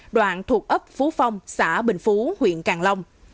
đoạn thuộc ấp phú phong xã bình phú huyện càng long